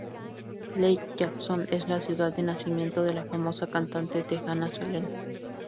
Lake Jackson es la ciudad de nacimiento de la famosa cantante texana Selena.